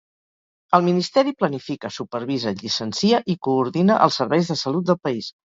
El ministeri planifica, supervisa, llicencia i coordina els serveis de salut del país.